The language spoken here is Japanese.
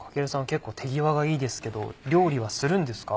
結構手際がいいですけど料理はするんですか？